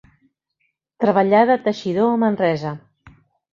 Treballà de teixidor a Manresa.